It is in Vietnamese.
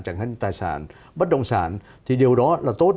chẳng hạn như tài sản bất động sản thì điều đó là tốt